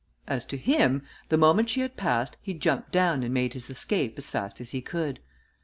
As to him, the moment she had passed, he jumped down and made his escape as fast as he could.